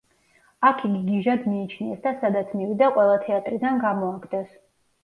აქ იგი გიჟად მიიჩნიეს და სადაც მივიდა ყველა თეატრიდან გამოაგდეს.